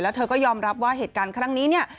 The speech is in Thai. เธอก็ยอมรับว่าเหตุการณ์ครั้งนี้เนี่ย